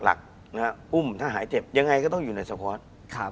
ไม่ว่าจะเป็นสหรัฐไม่ว่าจะเป็นตัวหลักอุ้มถ้าหายเจ็บยังไงก็ต้องอยู่ในสปอร์ต